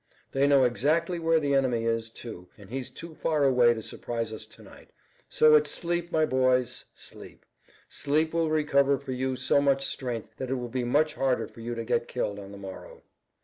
They know exactly where the enemy is, too, and he's too far away to surprise us to night. So it's sleep, my boys, sleep. Sleep will recover for you so much strength that it will be much harder for you to get killed on the morrow."